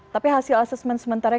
dan ini adalah bentuk pemerkosaan